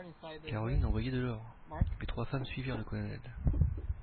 Caroline envoyait de l'or ! Les trois femmes suivirent le colonel.